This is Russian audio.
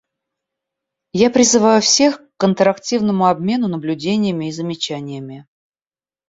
Я призываю всех к интерактивному обмену наблюдениями и замечаниями.